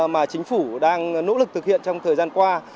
mà chính phủ đang nỗ lực thực hiện trong thời gian qua